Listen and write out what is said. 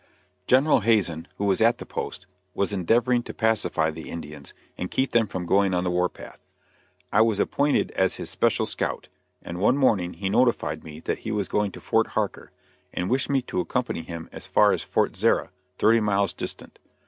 General Hazen, who was at the post, was endeavoring to pacify the Indians and keep them from going on the war path. I was appointed as his special scout, and one morning he notified me that he was going to Fort Harker, and wished me to accompany him as far as Fort Zarah, thirty miles distant.